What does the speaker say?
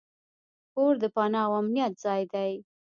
کور د پناه او امنیت ځای دی.